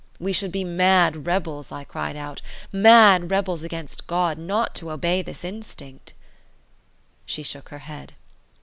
We should be mad rebels," I cried out—"mad rebels against God, not to obey this instinct." She shook her head.